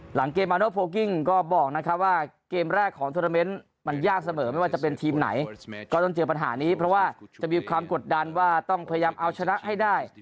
หลังเกมมาโนโพลกิ้งก็บอกนะครับว่าเกมแรกของโทรเมนต์มันยากเสมอไม่ว่าจะเป็นทีมไหนก็ต้องเจอปัญหานี้เพราะว่าจะมีความกดดันว่าต้องพยายามเอาชนะให้ได้